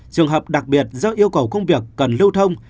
trường hợp đặc biệt do yêu cầu công việc cần lưu thông